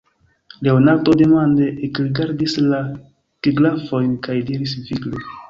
Leonardo demande ekrigardis la gegrafojn, kaj diris vigle: